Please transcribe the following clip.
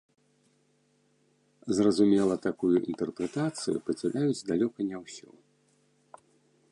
Зразумела, такую інтэрпрэтацыю падзяляюць далёка не ўсё.